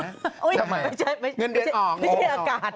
ทำไมไม่ใช่อากาศอันนั้นไม่ใช่เงินเดือนออก